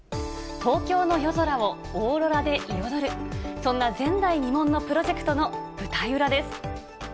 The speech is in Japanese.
東京の夜空をオーロラで彩る、そんな前代未聞のプロジェクトの舞台裏です。